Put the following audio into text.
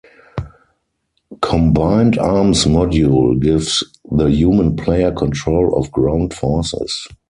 Combined Arms module gives the human player control of ground forces.